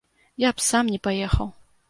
Я б сам не паехаў!